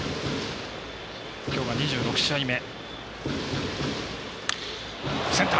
きょうは２６試合目。